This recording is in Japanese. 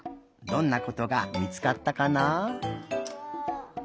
どんなことがみつかったかな。